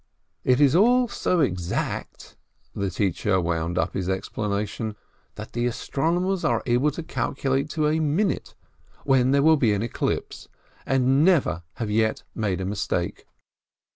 "It is all so exact," the teacher wound up his explana tion, "that the astronomers are able to calculate to a minute when there will be an eclipse, and have never yet made a mistake."